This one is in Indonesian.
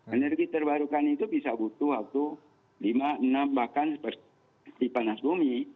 energi terbarukan itu bisa butuh waktu lima enam bahkan di panas bumi